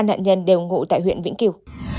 ba nạn nhân đều ngụ tại huyện vĩnh kiều